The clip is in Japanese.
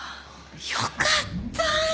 よかった！